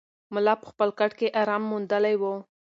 ملا په خپل کټ کې ارام موندلی و.